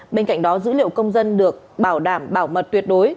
bên cạnh đó dữ liệu công dân được bảo đảm bảo mật tuyệt đối